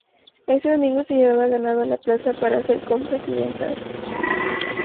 Ese domingo se llevaba ganado a la Plaza para hacer compras y ventas.